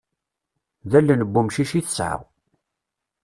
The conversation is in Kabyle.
D allen n wemcic i tesɛa.